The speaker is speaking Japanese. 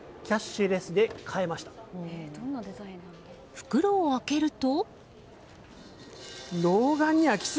袋を開けると。